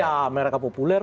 ya mereka populer